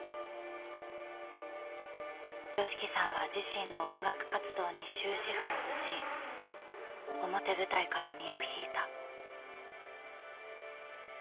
ＹＯＳＨＩＫＩさんは自身の音楽活動に終止符を打ち表舞台から身を引いた。